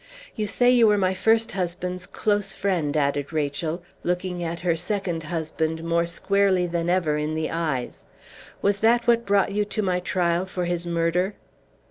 You say you were my first husband's close friend," added Rachel, looking her second husband more squarely than ever in the eyes. "Was that what brought you to my trial for his murder?"